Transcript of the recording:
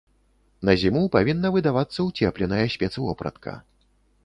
На зіму павінна выдавацца ўцепленая спецвопратка.